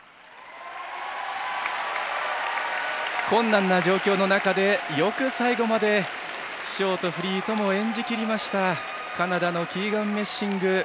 困難な状況の中でよく最後までショート、フリーともに演じきりましたカナダのキーガン・メッシング。